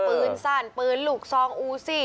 ปืนสั้นปืนลูกซองอูซี่